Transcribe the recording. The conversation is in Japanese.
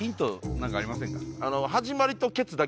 何かありませんか？